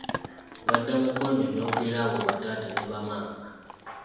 Badda mu kwenyonyogera abo ba taaata ne ba maama.